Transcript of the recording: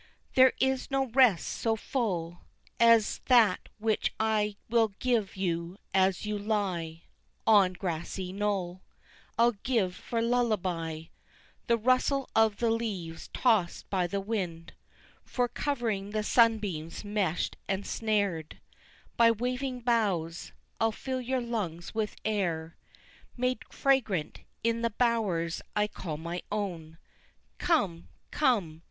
There is no rest so full As that which I will give you as you lie On grassy knoll; I'll give for lullaby The rustle of the leaves tossed by the wind, For covering the sunbeams meshed and snared By waving boughs; I'll fill your lungs with air Made fragrant in the bowers I call my own. Come! Come!